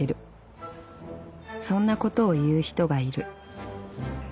そんなことを言う人がいる。